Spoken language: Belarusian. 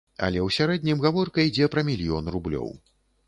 Але ў сярэднім гаворка ідзе пра мільён рублёў.